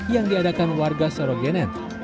yang diadakan warga sorogenen